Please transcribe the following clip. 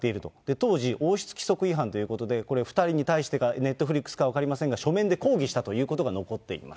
当時、王室規則違反ということで、これ、２人に対してか、ネットフリックスか分かりませんが、書面で抗議したということが残っています。